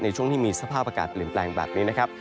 ในช่วงที่มีสภาพอากาศเปลี่ยนแปลงแบบนี้นะครับ